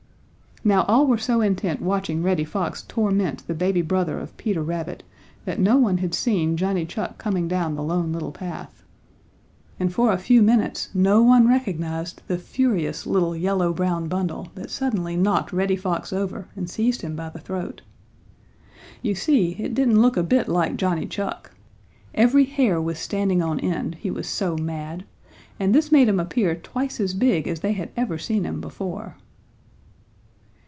Now all were so intent watching Reddy Fox torment the baby brother of Peter Rabbit that no one had seen Johnny Chuck coming down the Lone Little Path. And for a few minutes no one recognized the furious little yellow brown bundle that suddenly knocked Reddy Fox over and seized him by the throat. You see it didn't look a bit like Johnny Chuck. Every hair was standing on end, he was so mad, and this made him appear twice as big as they had ever seen him before.